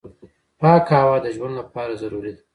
پاکه هوا د ژوند لپاره ضروري ده.